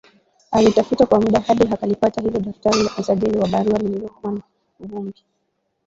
Alitafuta kwa muda hadi akalipata hilo daftari la usajili wa barua lilikuwa na vumbi